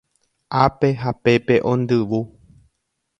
Ápe ha pépe ondyvu